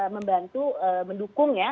membantu mendukung ya